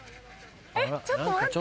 ちょっと待って。